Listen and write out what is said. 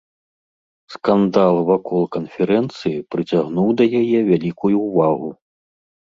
Скандал вакол канферэнцыі прыцягнуў да яе вялікую ўвагу.